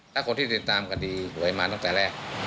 ถ้าคนที่ติดตามกดดีห์ถ่วงใหญ่มาตั้งแต่แรก